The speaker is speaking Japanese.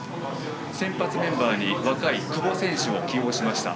先発メンバーに若い久保選手を起用しました。